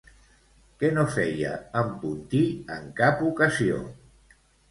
Què no feia en Puntí en cap ocasió?